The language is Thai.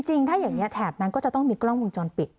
จริงถ้าอย่างนี้แถบนั้นก็จะต้องมีกล้องวงจรปิด